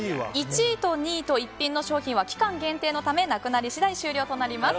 １位と２位と逸品は期間限定のためなくなり次第終了となります。